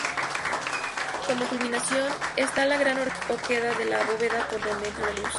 Como culminación está la gran oquedad de la bóveda por donde entra la luz.